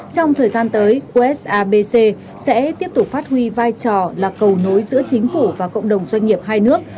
trong thời gian tới usabc sẽ tiếp tục phát huy vai trò là cầu nối giữa chính phủ và cộng đồng doanh nghiệp hai nước